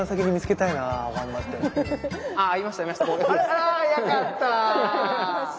あ早かった。